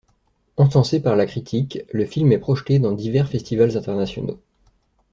Encensé par la critique, le film est projeté dans divers festivals internationaux.